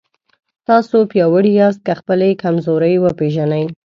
تاسو پیاوړي یاست که خپلې کمزورۍ وپېژنئ.